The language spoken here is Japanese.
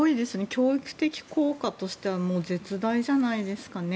教育的効果としては絶大じゃないですかね。